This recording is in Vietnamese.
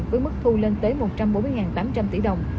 với mức thu lên tới một trăm bốn mươi tám trăm linh tỷ đồng